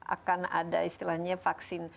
akan ada istilahnya vaksin